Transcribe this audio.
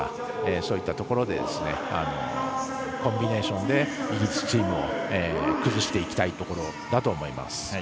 そういったところでコンビネーションでイギリスチームを崩していきたいところだと思います。